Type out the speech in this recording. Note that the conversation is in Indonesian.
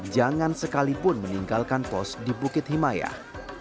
jangan sekalipun meninggalkan pos di bukit himayah